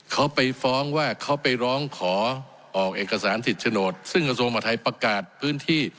เขาไปฟ้องว่าเขาไปร้องขอออกเอกสารสิทธิ์โฉนดซึ่งกระทรวงมหาทัยประกาศพื้นที่